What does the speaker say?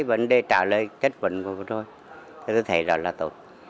vấn đề trả lời chất vấn của quốc hội tôi thấy đó là tốt